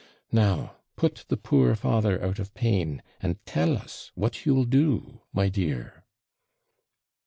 Now put the poor father out of pain, and tell us what you'll do, my dear.'